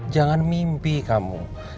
jangan mimpi kamu